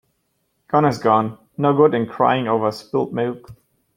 Gone is gone. No good in crying over spilt milk.